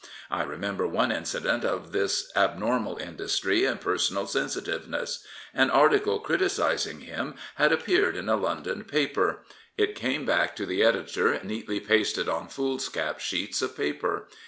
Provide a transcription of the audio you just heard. I remember one incident of this abnormal industry and personal sensitiveness. An article criticising him had appeared in a London paper. It came back to the editor neatly pasted on foolscap sheets of paper.